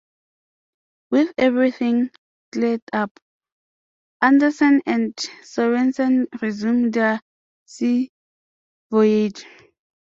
With everything cleared up, Andersen and Sorensen resume their sea voyage.